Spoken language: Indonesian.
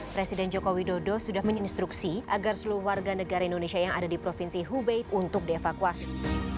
presiden joko widodo sudah menginstruksi agar seluruh warga negara indonesia yang ada di provinsi hubei untuk dievakuasi